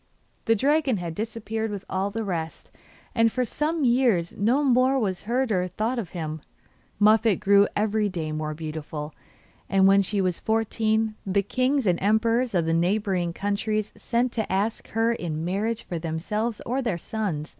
The dragon had disappeared with all the rest, and for some years no more was heard or thought of him. Muffette grew every day more beautiful, and when she was fourteen the kings and emperors of the neighbouring countries sent to ask her in marriage for themselves or their sons.